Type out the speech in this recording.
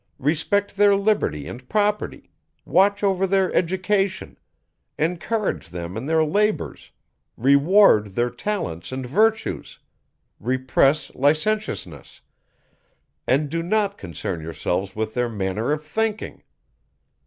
Respect their liberty and property, watch over their education, encourage them in their labours, reward their talents and virtues, repress licentiousness; and do not concern yourselves with their manner of thinking.